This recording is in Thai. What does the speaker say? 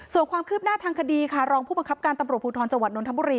ส่วนความคืบหน้าทางคดีคารองผู้ประคับการตำรวจภูทรจนธบุรี